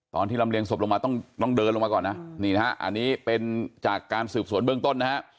ลำเรียงศพลงมาต้องเดินลงมาก่อนนะนี่นะฮะอันนี้เป็นจากการสืบสวนเบื้องต้นนะฮะ